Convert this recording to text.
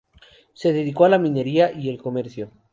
Se dedicó a la minería y el comercio.